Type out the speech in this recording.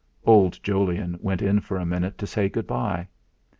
Old Jolyon went in for a minute to say good bye.